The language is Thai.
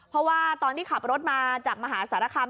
เพราะว่าตอนที่ขับรถมาจากมหาสารคาม